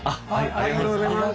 ありがとうございます。